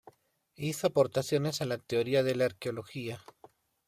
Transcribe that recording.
Hizo aportaciones a la teoría de la arqueología.